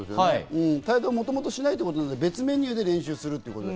もともと帯同しないということで、別メニューで練習すると。